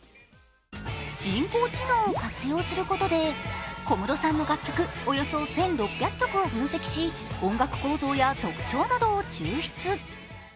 人工知能を活用することで小室さんの楽曲、およそ１６００曲を分析し、音楽構造や特徴などを抽出。